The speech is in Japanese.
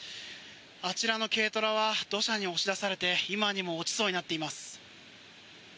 あちらの軽トラは土砂に押し出されて今にも落ちそうになっています。